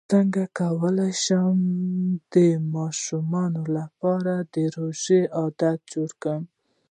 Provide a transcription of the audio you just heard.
څنګه کولی شم د ماشومانو لپاره د روژې عادت جوړ کړم